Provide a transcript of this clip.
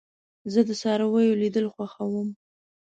زه د څارويو لیدل خوښوم.